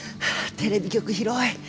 テレビ局広い。